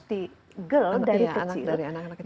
di girl dari kecil